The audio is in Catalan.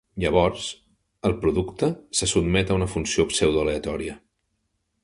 Llavors, el producte se sotmet a una funció pseudoaleatòria.